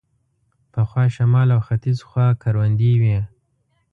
پخوا شمال او ختیځ خوا کروندې وې.